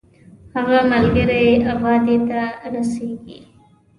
هغه ملګری یې ابادۍ ته رسېږي.